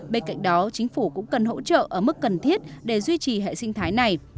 bên cạnh đó chính phủ cũng cần hỗ trợ ở mức cần thiết để duy trì hệ sinh thái này